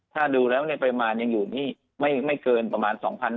ถ้าดูแล้วในปริมาณยังอยู่นี่ไม่เกินประมาณ๒๐๐